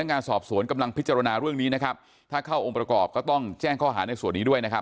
งานสอบสวนกำลังพิจารณาเรื่องนี้นะครับถ้าเข้าองค์ประกอบก็ต้องแจ้งข้อหาในส่วนนี้ด้วยนะครับ